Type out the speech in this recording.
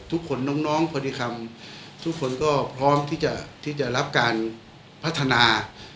ทุกคนน้องพอดีคำทุกคนก็พร้อมที่จะรับการพัฒนา